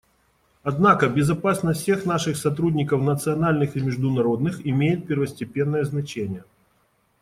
Однако безопасность всех наших сотрудников, национальных и международных, имеет первостепенное значение.